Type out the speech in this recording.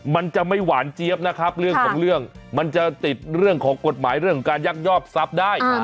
มันจะไม่หวานเจี๊ยบนะครับเรื่องของเรื่องมันจะติดเรื่องของกฎหมายเรื่องของการยักยอกทรัพย์ได้